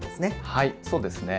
はいそうですね。